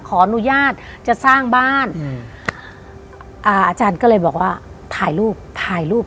ขออนุญาตจะสร้างบ้านอืมอ่าอาจารย์ก็เลยบอกว่าถ่ายรูปถ่ายรูป